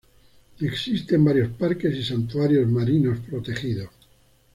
Existen varios parques y santuarios marinos protegidos.